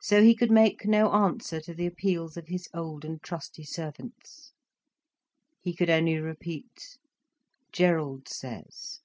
So he could make no answer to the appeals of his old and trusty servants, he could only repeat "Gerald says."